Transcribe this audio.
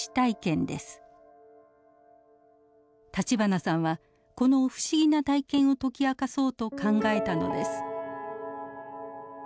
立花さんはこの不思議な体験を解き明かそうと考えたのです。